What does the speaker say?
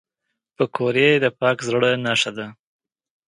پکورې د پاک زړه نښه ده